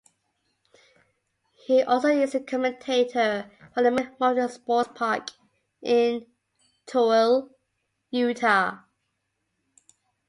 He also is a commentator for the Miller Motor Sports Park in Tooele, Utah.